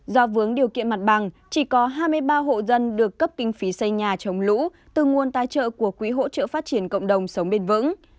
do vướng điều kiện mặt bằng chỉ có hai mươi ba hộ dân được cấp kinh phí xây nhà chống lũ từ nguồn tài trợ của quỹ hỗ trợ phát triển cộng đồng sống bền vững